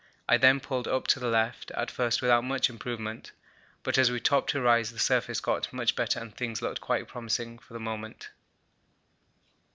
I then pulled up to the left, at first without much improvement, but as we topped a rise the surface got much better and things look quite promising for the moment.